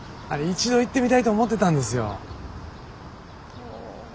一度行ってみたいと思ってたんですよ。